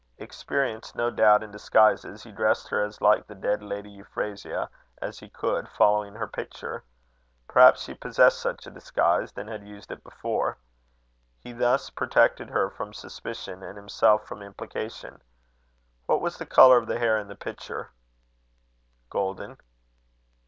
Experienced, no doubt, in disguises, he dressed her as like the dead Lady Euphrasia as he could, following her picture. Perhaps she possessed such a disguise, and had used it before. He thus protected her from suspicion, and himself from implication. What was the colour of the hair in the picture?" "Golden."